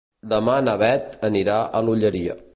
Demà na Beth anirà a l'Olleria.